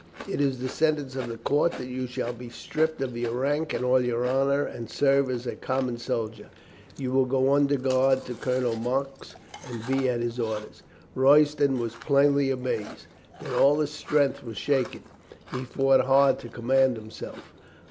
It is the sentence of the court that you shall be stripped of your rank and all your honor and serve as a com mon soldier. You will go under guard to Colonel Monck and be at his orders." Royston was plainly amazed. Then all his strength was shaken. He fought hard to command himself.